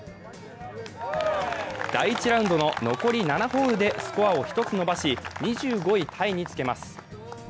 第１ラウンドの残り７ホールでスコアを１つ伸ばし２５位タイにつけます。